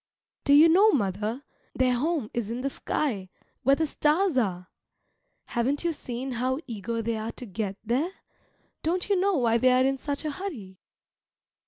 Do you know, mother, their home is in the sky, where the stars are. Haven't you seen how eager they are to get there? Don't you know why they are in such a hurry?